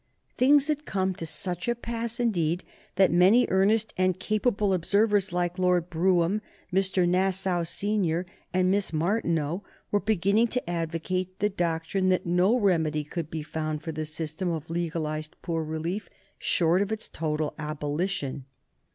Things had come to such a pass indeed that many earnest and capable observers, like Lord Brougham, Mr. Nassau Senior, and Miss Martineau, were beginning to advocate the doctrine that no remedy could be found for the system of legalized poor relief short of its total abolition.